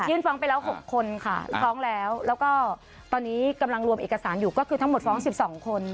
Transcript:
ฟ้องไปแล้ว๖คนค่ะฟ้องแล้วแล้วก็ตอนนี้กำลังรวมเอกสารอยู่ก็คือทั้งหมดฟ้อง๑๒คน